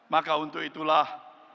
maka untuk itulah